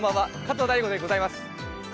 加藤大悟でございます。